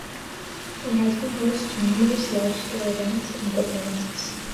It has been host to numerous large scale events and performances.